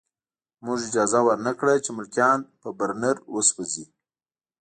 موږ اجازه ورنه کړه چې ملکیان په برنر وسوځوي